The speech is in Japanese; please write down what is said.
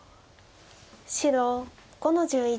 白５の十一。